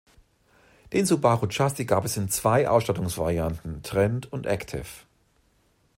Den Subaru Justy gab es in zwei Ausstattungsvarianten, Trend und Active.